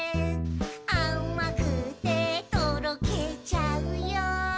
「あまくてとろけちゃうよ」